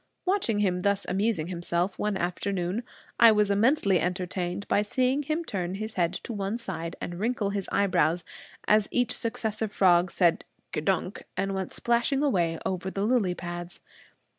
Watching him thus amusing himself one afternoon, I was immensely entertained by seeing him turn his head to one side, and wrinkle his eyebrows, as each successive frog said ke'dunk, and went splashing away over the lily pads.